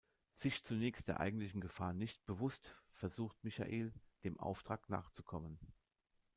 Sich zunächst der eigentlichen Gefahr nicht bewusst, versucht Michael, dem Auftrag nachzukommen.